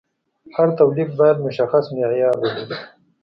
هر تولید باید مشخص معیار ولري.